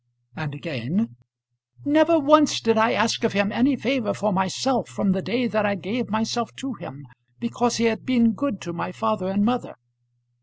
And again "Never once did I ask of him any favour for myself from the day that I gave myself to him, because he had been good to my father and mother.